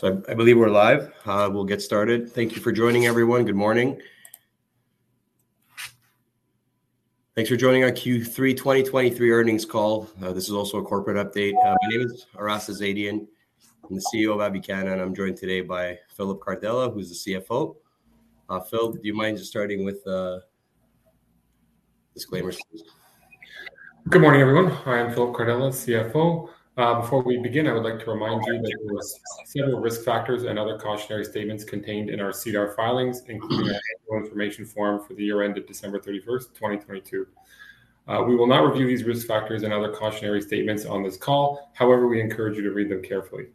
So I believe we're live. We'll get started. Thank you for joining everyone. Good morning. Thanks for joining our Q3 2023 earnings call. This is also a corporate update. My name is Aras Azadian. I'm the CEO of Avicanna, and I'm joined today by Phillip Cardella, who's the CFO. Phil, do you mind just starting with disclaimers? Good morning, everyone. I am Phillip Cardella, CFO. Before we begin, I would like to remind you that there are several risk factors and other cautionary statements contained in our SEDAR filings, including our annual information form for the year end of December 31st, 2022. We will not review these risk factors and other cautionary statements on this call; however, we encourage you to read them carefully.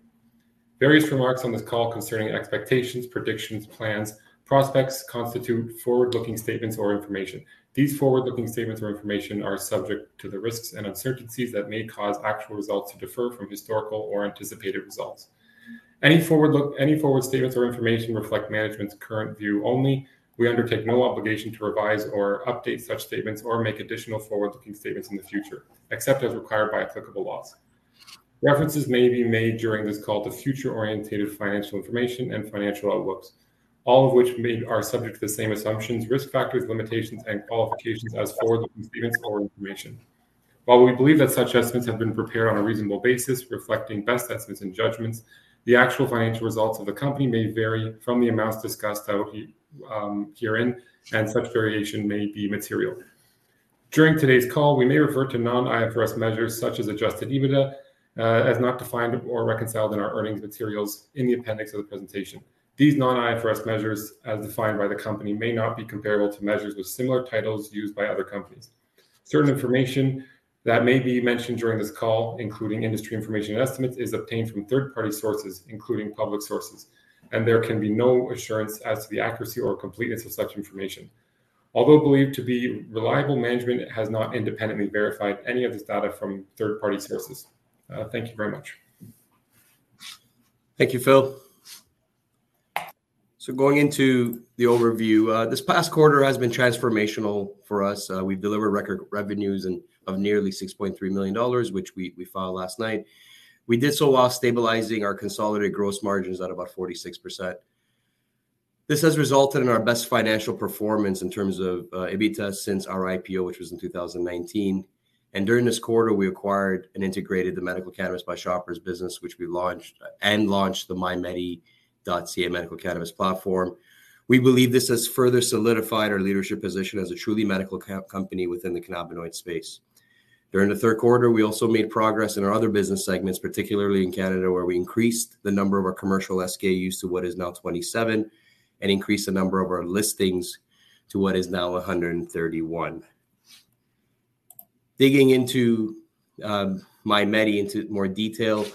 Various remarks on this call concerning expectations, predictions, plans, prospects constitute forward-looking statements or information. These forward-looking statements or information are subject to the risks and uncertainties that may cause actual results to differ from historical or anticipated results. Any forward statements or information reflect management's current view only. We undertake no obligation to revise or update such statements or make additional forward-looking statements in the future, except as required by applicable laws. References may be made during this call to future-oriented financial information and financial outlooks, all of which may are subject to the same assumptions, risk factors, limitations, and qualifications as forward-looking statements or information. While we believe that such estimates have been prepared on a reasonable basis, reflecting best estimates and judgments, the actual financial results of the company may vary from the amounts discussed herein, and such variation may be material. During today's call, we may refer to non-IFRS measures, such as adjusted EBITDA, as not defined or reconciled in our earnings materials in the appendix of the presentation. These non-IFRS measures, as defined by the company, may not be comparable to measures with similar titles used by other companies. Certain information that may be mentioned during this call, including industry information and estimates, is obtained from third-party sources, including public sources, and there can be no assurance as to the accuracy or completeness of such information. Although believed to be reliable, management has not independently verified any of this data from third-party sources. Thank you very much. Thank you, Phil. Going into the overview, this past quarter has been transformational for us. We delivered record revenues of nearly 6.3 million dollars, which we filed last night. We did so while stabilizing our consolidated gross margins at about 46%. This has resulted in our best financial performance in terms of EBITDA since our IPO, which was in 2019, and during this quarter, we acquired and integrated the Medical Cannabis by Shoppers business, which we launched and launched the MyMedi.ca medical cannabis platform. We believe this has further solidified our leadership position as a truly medical cannabis company within the cannabinoid space. During the third quarter, we also made progress in our other business segments, particularly in Canada, where we increased the number of our commercial SKUs to what is now 27 and increased the number of our listings to what is now 131. Digging into MyMedi into more detail,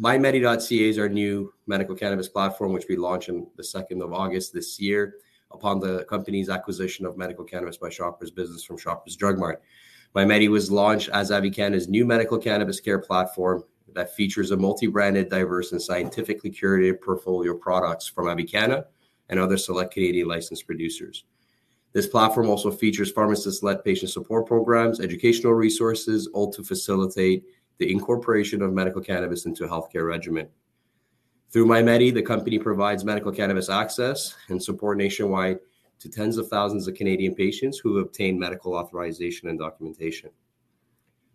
MyMedi.ca is our new medical cannabis platform, which we launched on the second of August this year upon the company's acquisition of Medical Cannabis by Shoppers business from Shoppers Drug Mart. MyMedi was launched as Avicanna's new medical cannabis care platform that features a multi-branded, diverse, and scientifically curated portfolio of products from Avicanna and other select Canadian licensed producers. This platform also features pharmacist-led patient support programs, educational resources, all to facilitate the incorporation of medical cannabis into a healthcare regimen. Through MyMedi.ca, the company provides medical cannabis access and support nationwide to tens of thousands of Canadian patients who obtain medical authorization and documentation.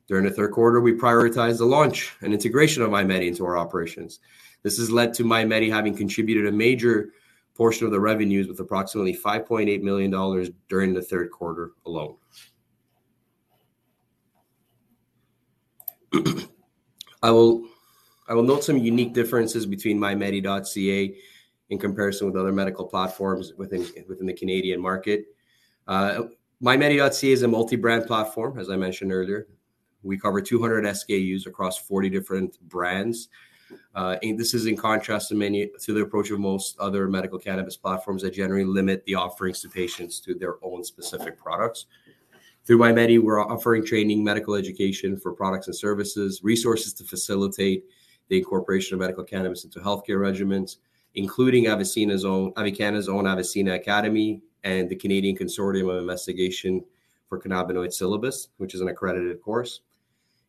During the third quarter, we prioritized the launch and integration of MyMedi.ca into our operations. This has led to MyMedi.ca having contributed a major portion of the revenues with approximately 5.8 million dollars during the third quarter alone. I will note some unique differences between MyMedi.ca in comparison with other medical platforms within the Canadian market. MyMedi.ca is a multi-brand platform, as I mentioned earlier. We cover 200 SKUs across 40 different brands. And this is in contrast to many to the approach of most other medical cannabis platforms that generally limit the offerings to patients to their own specific products. Through MyMedi, we're offering training, medical education for products and services, resources to facilitate the incorporation of medical cannabis into healthcare regimens, including Avicanna's own Avicanna Academy and the Canadian Consortium for the Investigation of Cannabinoids, which is an accredited course.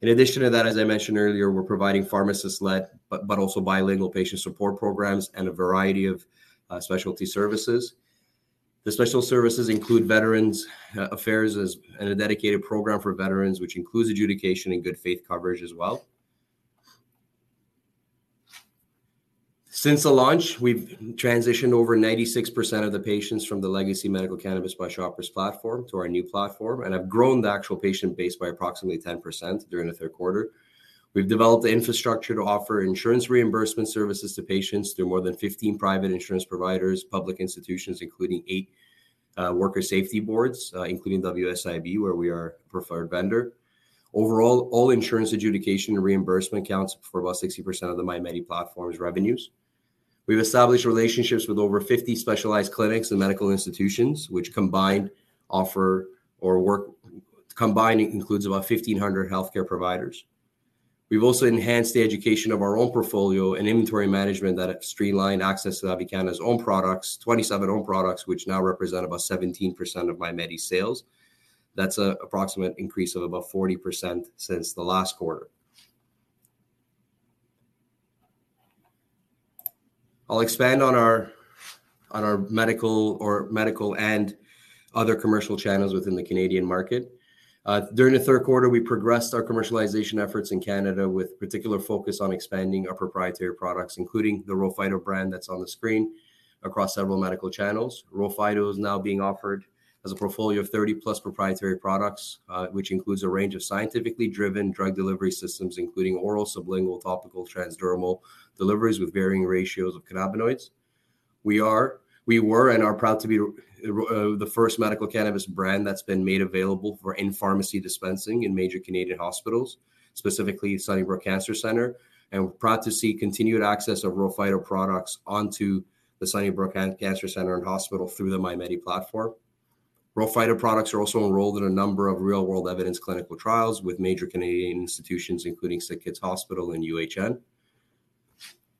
In addition to that, as I mentioned earlier, we're providing pharmacist-led, but also bilingual patient support programs and a variety of specialty services. The special services include Veterans Affairs Canada and a dedicated program for veterans, which includes adjudication and good faith coverage as well. Since the launch, we've transitioned over 96% of the patients from the legacy Medical Cannabis by Shoppers platform to our new platform, and have grown the actual patient base by approximately 10% during the third quarter. We've developed the infrastructure to offer insurance reimbursement services to patients through more than 15 private insurance providers, public institutions, including eight worker safety boards, including WSIB, where we are a preferred vendor. Overall, all insurance adjudication and reimbursement accounts for about 60% of the MyMedi platform's revenues. We've established relationships with over 50 specialized clinics and medical institutions, which combined include about 1,500 healthcare providers. We've also enhanced the education of our own portfolio and inventory management that have streamlined access to Avicanna's own products, 27 own products, which now represent about 17% of MyMedi's sales.... That's an approximate increase of about 40% since the last quarter. I'll expand on our medical and other commercial channels within the Canadian market. During the third quarter, we progressed our commercialization efforts in Canada with particular focus on expanding our proprietary products, including the RHO Phyto brand that's on the screen, across several medical channels. RHO Phyto is now being offered as a portfolio of 30+ proprietary products, which includes a range of scientifically driven drug delivery systems, including oral, sublingual, topical, transdermal deliveries with varying ratios of cannabinoids. We were and are proud to be the first medical cannabis brand that's been made available for in-pharmacy dispensing in major Canadian hospitals, specifically Sunnybrook Health Sciences Centre, and we're proud to see continued access of RHO Phyto products onto the Sunnybrook Health Sciences Centre through the MyMedi platform. RHO Phyto products are also enrolled in a number of real-world evidence clinical trials with major Canadian institutions, including SickKids and UHN.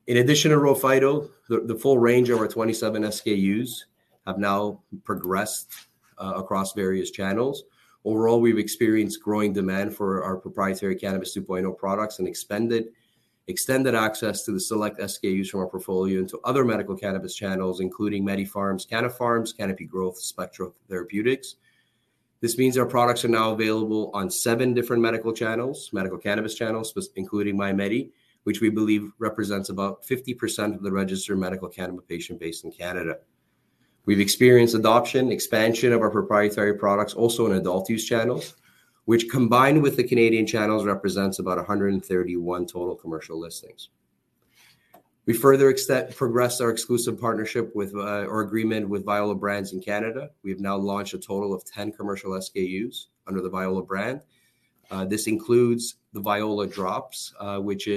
In addition to RHO Phyto, the full range of our 27 SKUs have now progressed across various channels. Overall, we've experienced growing demand for our proprietary Cannabis 2.0 products and extended access to the select SKUs from our portfolio into other medical cannabis channels, including MediPharm Labs, Canna Farms, Canopy Growth, Spectrum Therapeutics. This means our products are now available on seven different medical channels, medical cannabis channels, including MyMedi, which we believe represents about 50% of the registered medical cannabis patient base in Canada. We've experienced adoption, expansion of our proprietary products also in adult use channels, which, combined with the Canadian channels, represents about 131 total commercial listings. We further progressed our exclusive partnership with, or agreement with Viola Brands in Canada. We have now launched a total of 10 commercial SKUs under the Viola brand. This includes the Viola Drops, which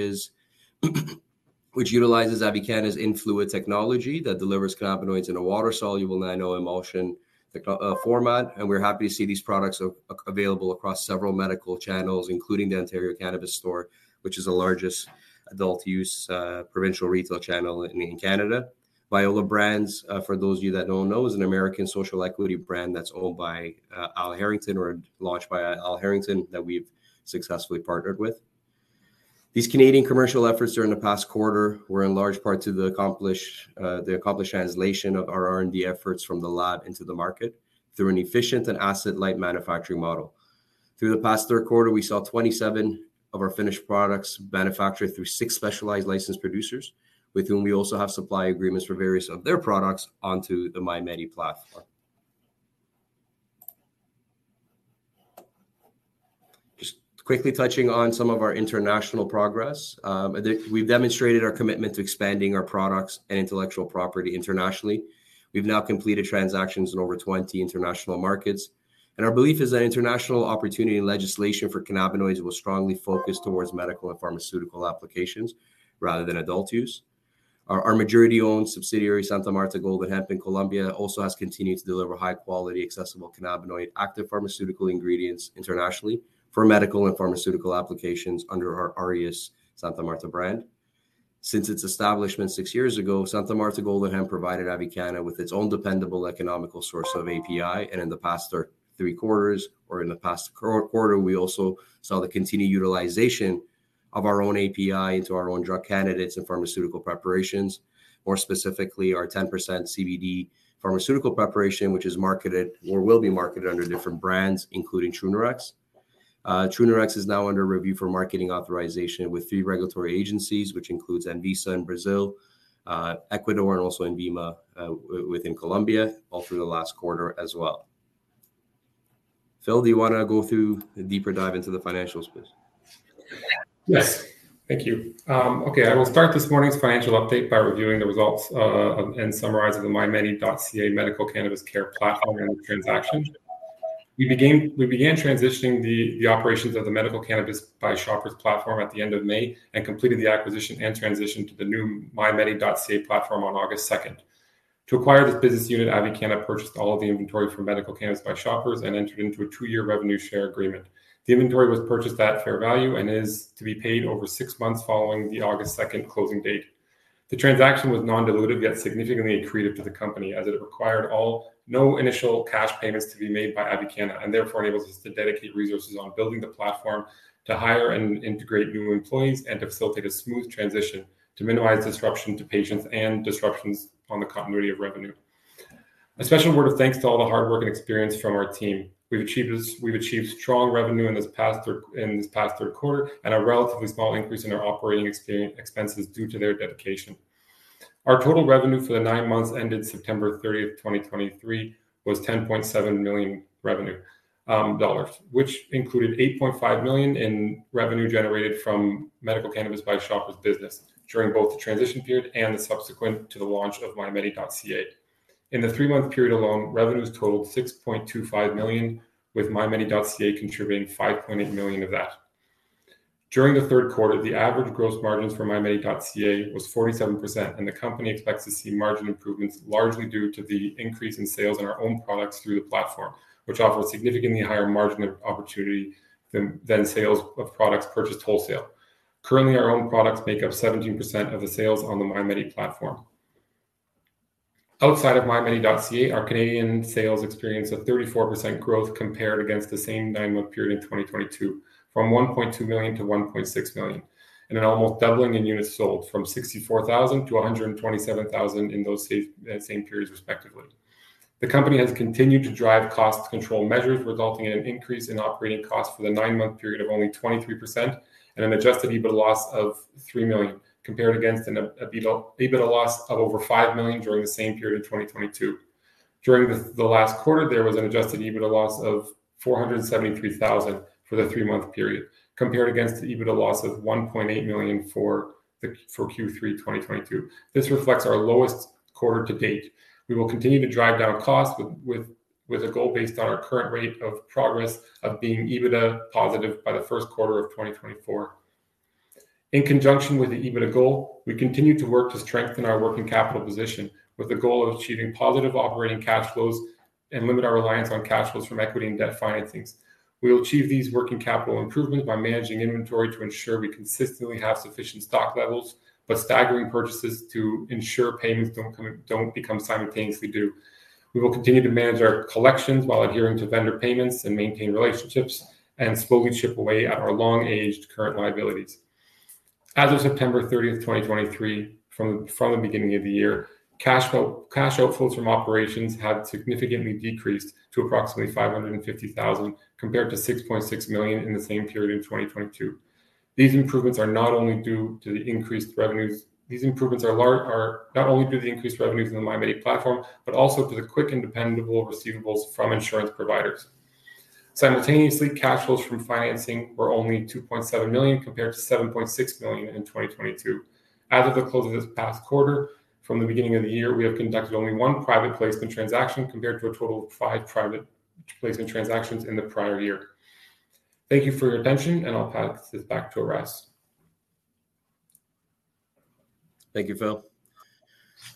utilizes Avicanna's Influid technology that delivers cannabinoids in a water-soluble nanoemulsion tech format, and we're happy to see these products available across several medical channels, including the Ontario Cannabis Store, which is the largest adult use provincial retail channel in Canada. Viola Brands, for those of you that don't know, is an American social equity brand that's owned by Al Harrington, or launched by Al Harrington, that we've successfully partnered with. These Canadian commercial efforts during the past quarter were in large part to the accomplished translation of our R&D efforts from the lab into the market through an efficient and asset-light manufacturing model. Through the past third quarter, we saw 27 of our finished products manufactured through six specialized licensed producers, with whom we also have supply agreements for various of their products onto the MyMedi platform. Just quickly touching on some of our international progress. We've demonstrated our commitment to expanding our products and intellectual property internationally. We've now completed transactions in over 20 international markets, and our belief is that international opportunity and legislation for cannabinoids will strongly focus towards medical and pharmaceutical applications rather than adult use. Our majority-owned subsidiary, Santa Marta Golden Hemp in Colombia, also has continued to deliver high quality, accessible cannabinoid, active pharmaceutical ingredients internationally for medical and pharmaceutical applications under our Aureus Santa Marta brand. Since its establishment six years ago, Santa Marta Golden Hemp provided Avicanna with its own dependable, economical source of API, and in the past three quarters or in the past quarter, we also saw the continued utilization of our own API into our own drug candidates and pharmaceutical preparations. More specifically, our 10% CBD pharmaceutical preparation, which is marketed or will be marketed under different brands, including Trunerox. Trunerox is now under review for marketing authorization with three regulatory agencies, which includes Anvisa in Brazil, Ecuador, and also INVIMA within Colombia, all through the last quarter as well. Phil, do you wanna go through a deeper dive into the financial space? Yes. Thank you. Okay, I will start this morning's financial update by reviewing the results and summarizing the MyMedi.ca medical cannabis care platform and transaction. We began transitioning the operations of the Medical Cannabis by Shoppers platform at the end of May and completed the acquisition and transition to the new MyMedi.ca platform on August second. To acquire this business unit, Avicanna purchased all of the inventory from Medical Cannabis by Shoppers and entered into a two-year revenue share agreement. The inventory was purchased at fair value and is to be paid over six months following the August second closing date. The transaction was non-dilutive, yet significantly accretive to the company, as it required no initial cash payments to be made by Avicanna, and therefore enables us to dedicate resources on building the platform, to hire and integrate new employees, and to facilitate a smooth transition to minimize disruption to patients and disruptions on the continuity of revenue. A special word of thanks to all the hard work and experience from our team. We've achieved this—we've achieved strong revenue in this past third, in this past third quarter, and a relatively small increase in our operating expenses due to their dedication. Our total revenue for the 9 months ended September 30, 2023, was 10.7 million in revenue, dollars, which included 8.5 million in revenue generated from Medical Cannabis by Shoppers business during both the transition period and the subsequent to the launch of MyMedi.ca. In the three-month period alone, revenues totaled 6.25 million, with MyMedi.ca contributing 5.8 million of that. During the third quarter, the average gross margins for MyMedi.ca was 47%, and the company expects to see margin improvements, largely due to the increase in sales in our own products through the platform, which offers significantly higher margin of opportunity than sales of products purchased wholesale. Currently, our own products make up 17% of the sales on the MyMedi platform.... Outside of MyMedi.ca, our Canadian sales experienced a 34% growth compared against the same nine-month period in 2022, from 1.2 million to 1.6 million, and an almost doubling in units sold from 64,000 to 127,000 in those same periods respectively. The company has continued to drive cost control measures, resulting in an increase in operating costs for the nine-month period of only 23%, and an adjusted EBITDA loss of 3 million, compared against an EBITDA loss of over 5 million during the same period in 2022. During the last quarter, there was an adjusted EBITDA loss of 473,000 for the three-month period, compared against the EBITDA loss of 1.8 million for Q3 2022. This reflects our lowest quarter to date. We will continue to drive down costs with a goal based on our current rate of progress of being EBITDA positive by the first quarter of 2024. In conjunction with the EBITDA goal, we continue to work to strengthen our working capital position, with the goal of achieving positive operating cash flows and limit our reliance on cash flows from equity and debt financings. We will achieve these working capital improvements by managing inventory to ensure we consistently have sufficient stock levels, but staggering purchases to ensure payments don't become simultaneously due. We will continue to manage our collections while adhering to vendor payments and maintain relationships, and slowly chip away at our long-aged current liabilities. As of September 30th, 2023, from the beginning of the year, cash outflows from operations had significantly decreased to approximately 550,000, compared to 6.6 million in the same period in 2022. These improvements are not only due to the increased revenues. These improvements are large, are not only due to the increased revenues in the MyMedi.ca platform, but also to the quick and dependable receivables from insurance providers. Simultaneously, cash flows from financing were only 2.7 million, compared to 7.6 million in 2022. As of the close of this past quarter, from the beginning of the year, we have conducted only one private placement transaction, compared to a total of five private placement transactions in the prior year. Thank you for your attention, and I'll pass this back to Aras. Thank you, Phil.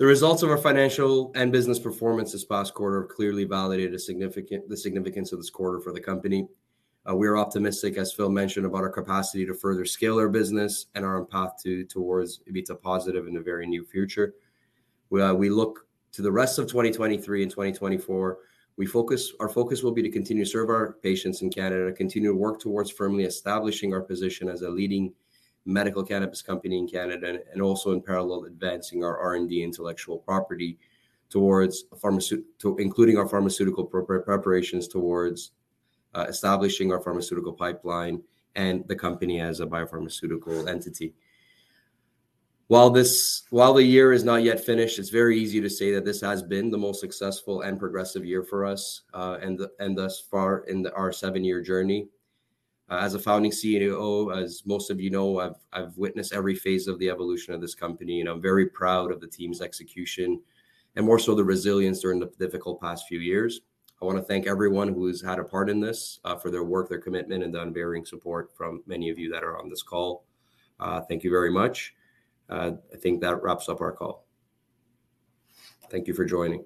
The results of our financial and business performance this past quarter clearly validate a significant... the significance of this quarter for the company. We are optimistic, as Phil mentioned, about our capacity to further scale our business and are on path towards EBITDA positive in the very near future. Well, we look to the rest of 2023 and 2024, our focus will be to continue to serve our patients in Canada, continue to work towards firmly establishing our position as a leading medical cannabis company in Canada, and also in parallel, advancing our R&D intellectual property towards pharmaceutical, including our pharmaceutical preparations towards establishing our pharmaceutical pipeline and the company as a biopharmaceutical entity. While this, while the year is not yet finished, it's very easy to say that this has been the most successful and progressive year for us, and the, and thus far in our seven-year journey. As a founding CEO, as most of you know, I've, I've witnessed every phase of the evolution of this company, and I'm very proud of the team's execution, and more so, the resilience during the difficult past few years. I want to thank everyone who has had a part in this, for their work, their commitment, and the unvarying support from many of you that are on this call. Thank you very much. I think that wraps up our call. Thank you for joining.